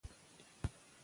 بلكې نيابتي حكومت دى ،